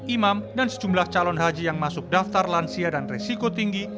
imam dan sejumlah calon haji yang masuk daftar lansia dan resiko tinggi